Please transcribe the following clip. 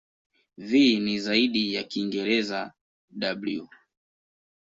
V ni zaidi ya Kiingereza "w".